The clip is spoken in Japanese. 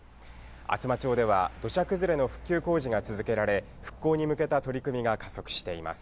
厚真町では、土砂崩れの復旧工事が続けられ、復興に向けた取り組みが加速しています。